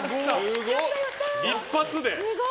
一発で！